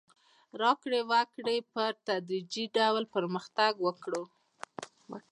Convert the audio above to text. راکړې ورکړې په تدریجي ډول پرمختګ وکړ.